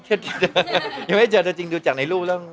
หยุดหยุดยังไม่เจอเธอจริงดูจากในรู